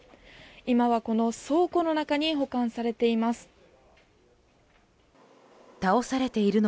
今は、この倉庫の中に保管されています。